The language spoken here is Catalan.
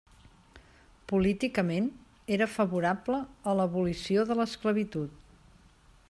Políticament, era favorable a l'abolició de l'esclavitud.